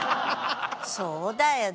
そうだよね。